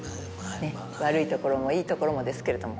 ねぇ悪いところもいいところもですけれども。